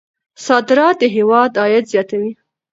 صادرات د هېواد عاید زیاتوي.